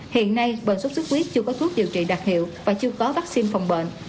hiện nay bệnh xuất xuất huyết chưa có thuốc điều trị đặc hiệu và chưa có vaccine phòng bệnh